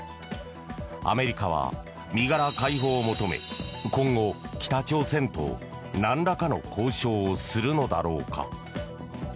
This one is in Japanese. アメリカは身柄解放を求め今後、北朝鮮となんらかの交渉をするのだろうか。